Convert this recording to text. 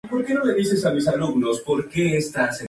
La mascota de carne y hueso se llama "Skeeter".